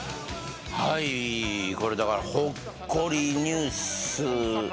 これだからほっこりニュース。